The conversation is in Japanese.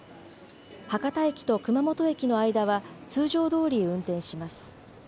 博多駅と熊本駅の間は通常どおり運転します。